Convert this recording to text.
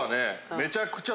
めちゃくちゃ。